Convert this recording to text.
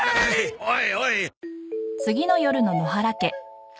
おいおい。